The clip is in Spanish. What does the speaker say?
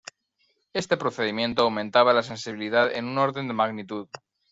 Este procedimiento aumentaba la sensibilidad en un orden de magnitud.